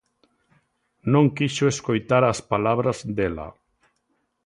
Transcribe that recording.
Non quixo escoitar as palabras dela.